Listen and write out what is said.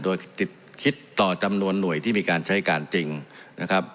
โดยคิดต่อจำนวนหน่วยที่มีการใช้การจริงนะครับ